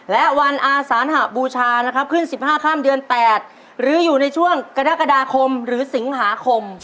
และวันอาสานหบูชานะครับขึ้น๑๕ข้ามเดือน๘หรืออยู่ในช่วงกรกฎาคมหรือสิงหาคม